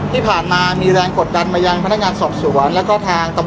พี่แจงในประเด็นที่เกี่ยวข้องกับความผิดที่ถูกเกาหา